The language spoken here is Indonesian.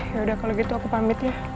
yaudah kalau gitu aku pamit ya